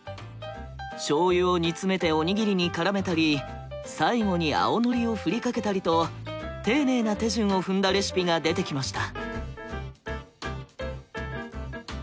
醤油を煮詰めておにぎりに絡めたり最後に青のりを振りかけたりと丁寧な手順を踏んだレシピが出てきました。